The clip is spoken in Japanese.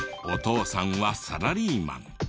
お父さんはサラリーマン。